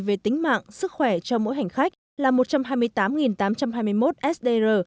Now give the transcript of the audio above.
về tính mạng sức khỏe cho mỗi hành khách là một trăm hai mươi tám tám trăm hai mươi một sdr